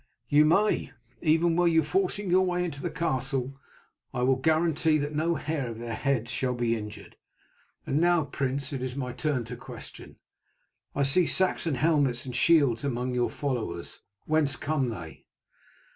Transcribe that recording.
"You may. Even were you forcing your way into the castle I will guarantee that no hair of their heads shall be injured. And now, prince, it is my turn to question. I see Saxon helmets and shields among your followers. Whence come they?"